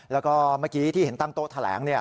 แล้วก็เมื่อกี้ที่เห็นตั้งโต๊ะแถลง